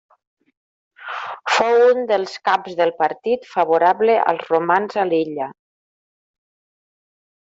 Fou un dels caps del partit favorable als romans a l'illa.